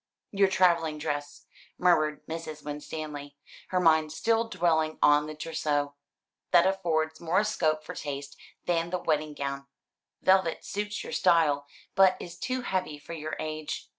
"Your travelling dress," murmured Mrs. Winstanley, her mind still dwelling on the trousseau; "that affords more scope for taste than the wedding gown. Velvet suits your style, but is too heavy for your age.